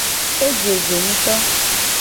Eje zo ngto.